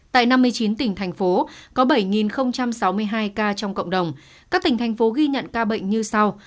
tại năm mươi chín tỉnh thành phố có bảy sáu mươi hai ca trong cộng đồng các tỉnh thành phố ghi nhận ca bệnh như sau